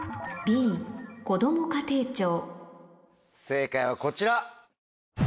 正解はこちら。